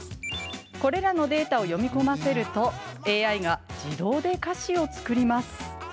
これらのデータを読み込ませるとＡＩが自動で歌詞を作ります。